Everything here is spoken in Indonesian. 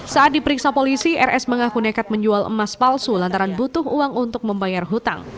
saat diperiksa polisi rs mengaku nekat menjual emas palsu lantaran butuh uang untuk membayar hutang